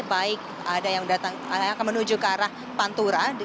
baik ada yang datang menuju ke arah pantura